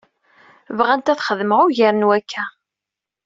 Bɣant ad xedmeɣ ugar n wakka.